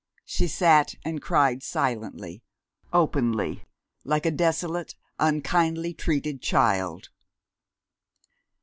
She sat and cried silently, openly, like a desolate, unkindly treated child.